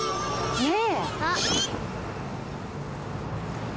ねえ。